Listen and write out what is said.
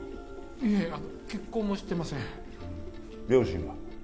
いえあの結婚もしてません両親は？